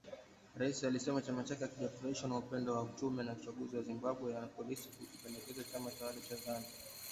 Rais alisema chama chake hakijafurahishwa na upendeleo wa tume ya uchaguzi ya Zimbabwe, na polisi kwa kukipendelea chama tawala cha Zanu